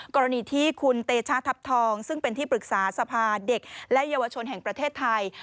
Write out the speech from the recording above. กรณีที่คุณเตชะทัพทองซึ่งเป็นที่ปรึกษาสภาเด็กและเยาวชนแห่งประเทศไทย